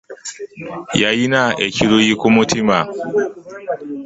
Yalina ekiruyi ku mutima.